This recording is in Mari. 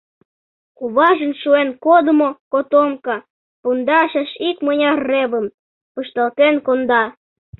Куважын шуэн кодымо котомка пундашеш икмыняр ревым пышталтен конда.